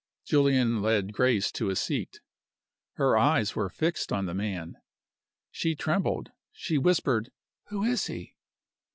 Julian led Grace to a seat. Her eyes were fixed on the man. She trembled she whispered, "Who is he?"